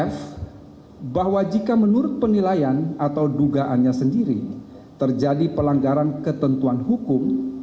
f bahwa jika menurut penilaian atau dugaannya sendiri terjadi pelanggaran ketentuan hukum